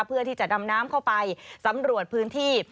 เพื่อที่จะดำน้ำเข้าไปสำรวจพื้นที่